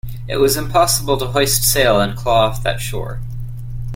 It was impossible to hoist sail and claw off that shore.